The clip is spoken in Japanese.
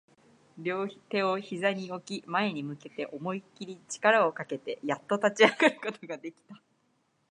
両手を膝に置き、前に向けて思いっきり力をかけて、やっと立ち上がることができた